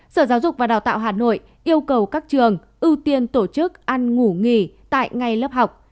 sở giáo dục và đào tạo hà nội yêu cầu các trường ưu tiên tổ chức ăn ngủ nghỉ tại ngay lớp học